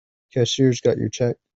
Cashier's got your check.